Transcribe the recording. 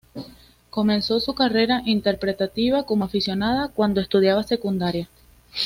Comenzó su carrera interpretativa como aficionada cuando estudiaba secundaria.